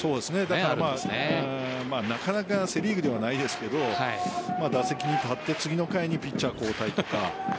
だから、なかなかセ・リーグではないですけど打席に立って次の回にピッチャー交代とか。